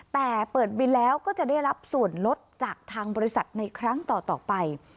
แต่เปิดบินแล้วก็จะได้รับส่วนลดจากทางบริษัทในครั้งต่อไป